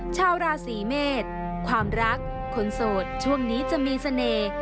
ชาวราศีเมษความรักคนโสดช่วงนี้จะมีเสน่ห์